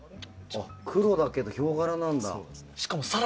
黒だけどヒョウ柄なんだ。